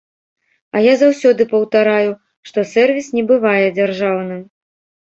А я заўсёды паўтараю, што сэрвіс не бывае дзяржаўным.